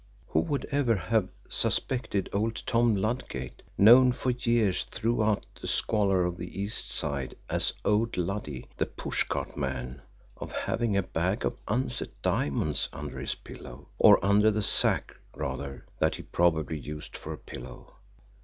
Who would ever have suspected old Tom Ludgate, known for years throughout the squalour of the East Side as old Luddy, the pushcart man, of having a bag of unset diamonds under his pillow or under the sack, rather, that he probably used for a pillow!